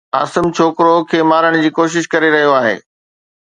عاصم ڇوڪرو کي مارڻ جي ڪوشش ڪري رهيو آهي